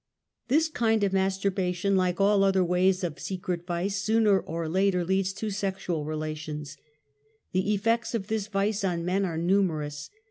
/ This kind of masturbation, like all other ways of [ secret vice, sooner or later leads to sexual relations. ^ The effects of this vice on men are numerous.